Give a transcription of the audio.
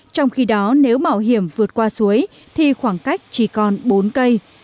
trong khi đó nếu bảo hiểm vượt qua suối thì khoảng cách chỉ còn bốn cây